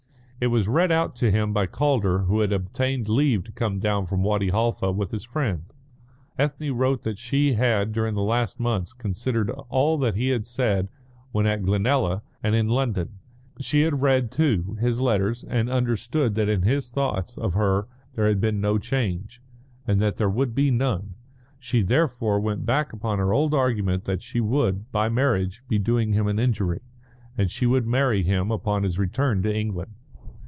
It was read out to him by Calder, who had obtained leave to come down from Wadi Halfa with his friend. Ethne wrote that she had, during the last months, considered all that he had said when at Glenalla and in London; she had read, too, his letters and understood that in his thoughts of her there had been no change, and that there would be none; she therefore went back upon her old argument that she would, by marriage, be doing him an injury, and she would marry him upon his return to England.